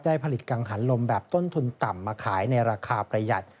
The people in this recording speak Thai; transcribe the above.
ผลิตกังหันลมแบบต้นทุนต่ำมาขายในราคาประหยัด